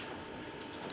và đã bắt đầu xây dựng